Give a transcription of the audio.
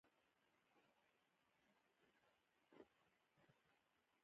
ځمکنی شکل د افغانستان د اجتماعي جوړښت یوه ډېره مهمه برخه ده.